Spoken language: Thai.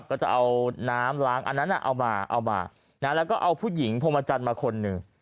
ก็จะเอาน้ำล้างอันนั้นเอามาเอามาแล้วก็เอาผู้หญิงพรมจันทร์มาคนหนึ่ง